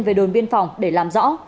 về đồn biên phòng để làm rõ